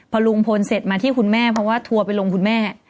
พอลุงพลเสร็จมาที่คุณแม่เพราะว่าทัวร์ไปลงคุณแม่